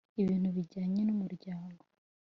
Ibintu bijyanye n’umuryango